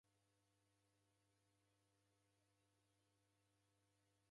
Kuzere w'andu ndekune kenyu.